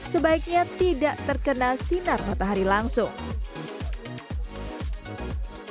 sebaiknya tidak terkena sinar matahari langsung